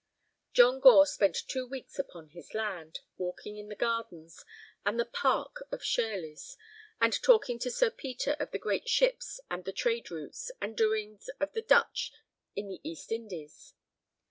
John Gore spent two weeks upon his land, walking in the gardens and the park of Shirleys, and talking to Sir Peter of the great ships and the trade routes, and the doings of the Dutch in the East Indies.